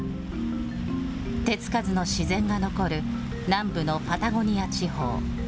手付かずの自然が残る南部のパタゴニア地方。